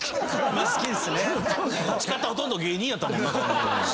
立ち方ほとんど芸人やったもんな。